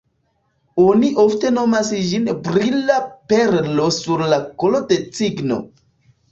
Oni ofte nomas ĝin “brila perlo sur la kolo de cigno”.